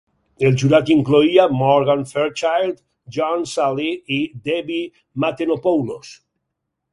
El jurat incloïa Morgan Fairchild, John Salley, i Debbie Matenopoulos.